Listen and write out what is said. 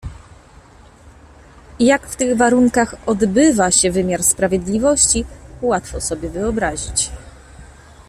"Jak w tych warunkach odbywa się wymiar sprawiedliwości łatwo sobie wyobrazić."